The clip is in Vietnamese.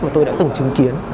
mà tôi đã từng chứng kiến